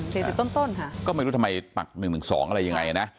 สี่สิบต้นต้นค่ะก็ไม่รู้ทำไมปัก๑๑๒อะไรยังไงนะ